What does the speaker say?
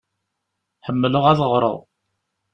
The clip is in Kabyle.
Ḥemmleɣ ad ɣṛeɣ.